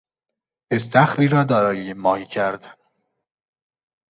استخری را دارای ماهی کردن